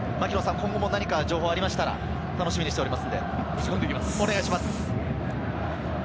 槙野さん、今後も情報がありましたら楽しみにしています。